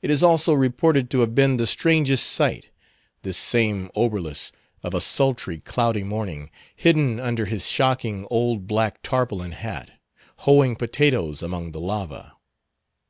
It is also reported to have been the strangest sight, this same Oberlus, of a sultry, cloudy morning, hidden under his shocking old black tarpaulin hat, hoeing potatoes among the lava.